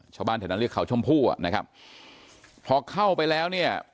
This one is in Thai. ชาวบ้านแถวนั้นเรียกเขาชมพู่อะนะครับพอเข้าไปแล้วเนี่ย